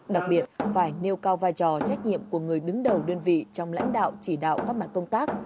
đặc biệt phải nêu cao vai trò trách nhiệm của người đứng đầu đơn vị trong lãnh đạo chỉ đạo các mặt công tác